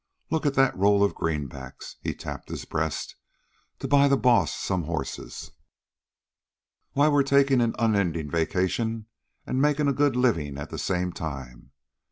Look at that roll of greenbacks" he tapped his breast "to buy the Boss some horses. Why, we're takin' an unendin' vacation, an' makin' a good livin' at the same time.